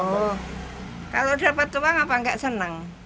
oh kalau dapat tua kenapa nggak senang